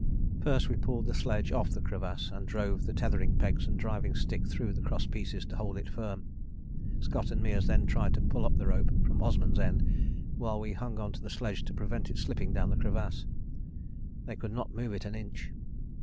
First we pulled the sledge off the crevasse, and drove the tethering peg and driving stick through the cross pieces to hold it firm. Scott and Meares then tried to pull up the rope from Osman's end, while we hung on to the sledge to prevent it slipping down the crevasse. They could not move it an inch.